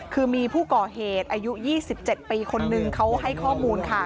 คือมีผู้ก่อเหตุอายุ๒๗ปีคนนึงเขาให้ข้อมูลค่ะ